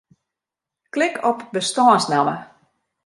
Klik op bestânsnamme.